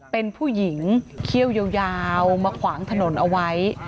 เป็นผู้หญิงเขี้ยวยาวมาขวางถนนเอาไว้